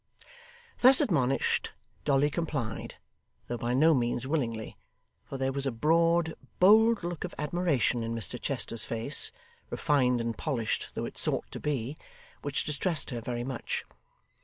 Thus admonished, Dolly complied, though by no means willingly; for there was a broad, bold look of admiration in Mr Chester's face, refined and polished though it sought to be, which distressed her very much.